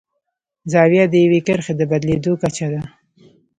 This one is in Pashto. زاویه د یوې کرښې د بدلیدو کچه ده.